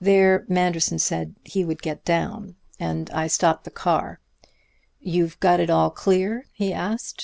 There Manderson said he would get down, and I stopped the car. 'You've got it all clear?' he asked.